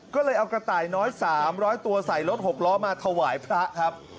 ก็เลยเอากระไต่น้อยต้องออก๓๐๐ตัวหน้าที่ซ่อมรถ๖ล้อมาถาวายพระครับ